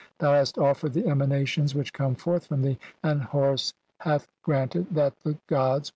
Thou hast "offered the emanations which come forth from thee, "and Horus hath granted (33) that the gods